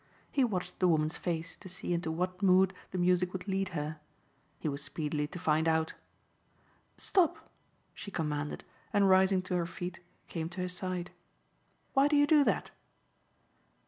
He watched the woman's face to see into what mood the music would lead her. He was speedily to find out. "Stop," she commanded and rising to her feet came to his side. "Why do you do that?"